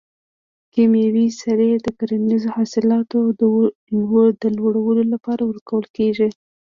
کیمیاوي سرې د کرنیزو حاصلاتو د لوړولو لپاره ورکول کیږي.